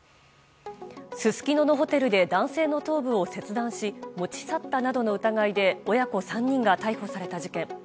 すすきののホテルで男性の頭部を切断し持ち去ったなどの疑いで親子３人が逮捕された事件。